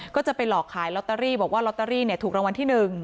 ก็จะไปหลอกขายลอตเตอรี่บอกว่าลอตเตอรี่ถูกรางวัลที่๑